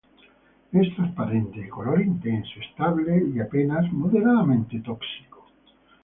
Es transparente, de color intenso, estable y apenas moderadamente tóxico.